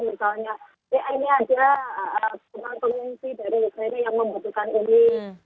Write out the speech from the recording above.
misalnya ya ini ada teman pengungsi dari daerah yang membutuhkan ini